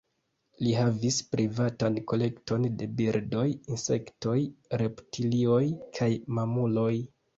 Li havis privatan kolekton de birdoj, insektoj, reptilioj kaj mamuloj.